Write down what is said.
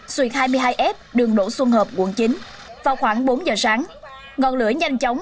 xuyệt hai mươi hai f đường đỗ xuân hợp quận chín vào khoảng bốn giờ sáng ngọn lửa nhanh chóng